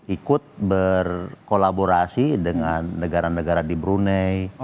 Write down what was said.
ikut berkolaborasi dengan negara negara di brunei